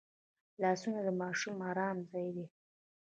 لاسونه د ماشوم ارام ځای دی